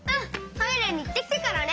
トイレにいってきてからね。